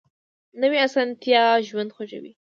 نوې اسانتیا ژوند خوږوي